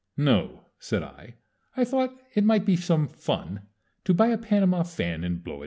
"No," said I. "I thought it might be some fun to buy a Panama fan and blow it down."